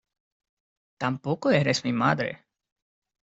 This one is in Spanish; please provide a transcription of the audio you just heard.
tampoco eres mi madre.